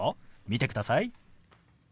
見てください。